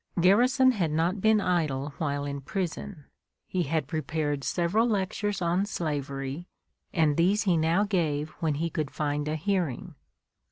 Garrison had not been idle while in prison. He had prepared several lectures on slavery, and these he now gave when he could find a hearing.